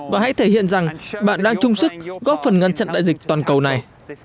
và hãy thể hiện rằng bạn đang chung sức góp phần ngăn chặn đại dịch toàn cầu này